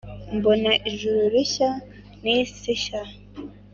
Mbona ijuru rishya n’isi nshya,